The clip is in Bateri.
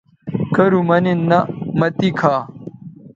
کرو مہ نِن نہ مہ تی کھا